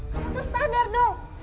kamu tuh sadar dong